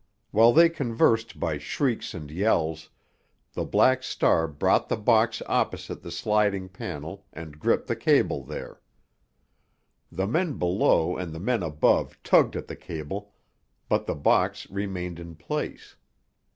While they conversed by shrieks and yells, the Black Star brought the box opposite the sliding panel and gripped the cable there. The men below and the men above tugged at the cable, but the box remained in place.